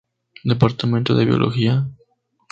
Departamento de Biología.